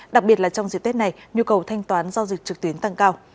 đặc biệt là trong dịp tết này nhu cầu thanh toán giao dịch trực tuyến tăng cao